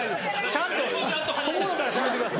ちゃんと心からしゃべってください。